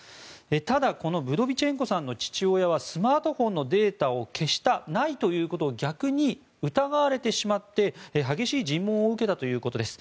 ただこのブドビチェンコさんの父親はスマートフォンのデータを消した、ないということを逆に疑われてしまって激しい尋問を受けたということです。